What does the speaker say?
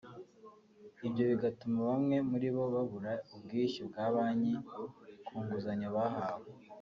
ibyo bigatuma bamwe muri bo babura ubwishyu bwa banki ku nguzanyo bahawe